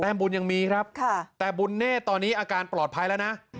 ตามปุญยังมีครับค่ะแต่บุญเนศตอนนี้อาการปลอดภัยล่ะนะ